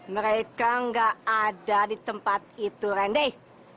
mereka gak ada di tempat itu rendy